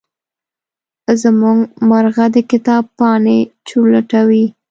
زمونږ مرغه د کتاب پاڼې چورلټوي.